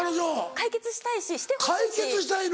解決したいししてほしいし。